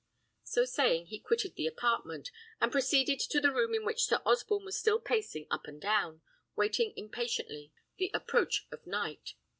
So saying, he quitted the apartment, and proceeded to the room in which Sir Osborne was still pacing up and down, waiting impatiently the approach of night.